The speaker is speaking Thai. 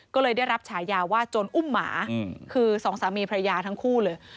ก็เลยได้รับฉายาว่าโจรอุ้มหมาคือสองสามีพระยาทั้งคู่เลย